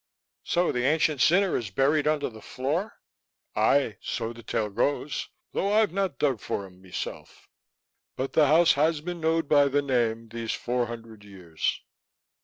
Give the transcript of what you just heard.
"So the ancient sinner is buried under the floor?" "Aye, so the tale goes, though I've not dug for him meself. But the house has been knowed by the name these four hundred years."